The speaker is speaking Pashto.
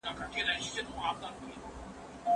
پروفیسور تاناکا وايي په اوبو کې غوټه وهل حافظه ښه کوي.